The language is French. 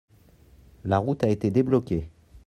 La route a été débloquée.